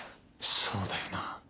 そうだよな